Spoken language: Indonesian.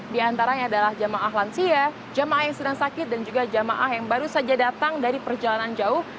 di antaranya adalah jamaah lansia jamaah yang sedang sakit dan juga jamaah yang baru saja datang dari perjalanan jauh